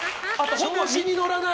調子に乗らない！